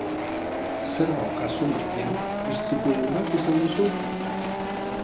Zer daukazu, maitea, istripuren bat izan duzu?